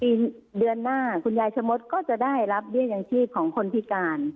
เดือนหน้าคุณยายชะมดก็จะได้รับเบี้ยอย่างชีพของคนพิการ